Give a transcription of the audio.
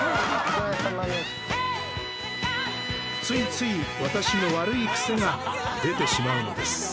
「ついつい私の悪い癖が出てしまうのです」